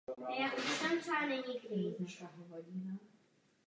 Komise pečlivě sleduje vývoj trhů i v ostatních odvětvích.